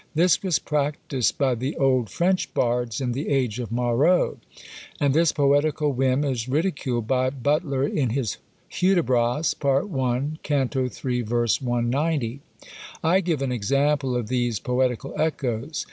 This was practised by the old French bards in the age of Marot, and this poetical whim is ridiculed by Butler in his Hudibras, Part I. Canto 3, Verse 190. I give an example of these poetical echoes.